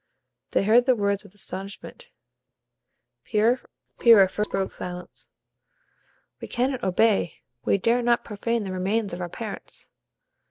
They heard the words with astonishment. Pyrrha first broke silence: "We cannot obey; we dare not profane the remains of our parents."